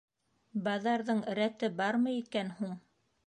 Баҙарҙың рәте бармы икән һуң?